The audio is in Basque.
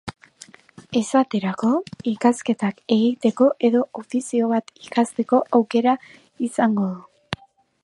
Esaterako, ikasketak egiteko edo ofizio bat ikasteko aukera izango du.